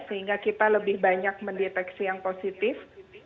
sehingga kita lebih banyak mendeteksi yang positif